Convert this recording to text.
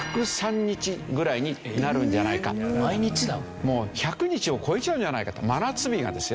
もう１００日を超えちゃうんじゃないかと真夏日がですよ。